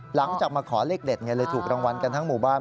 หลังจากมาขอเลขเด็ดไงเลยถูกรางวัลกันทั้งหมู่บ้าน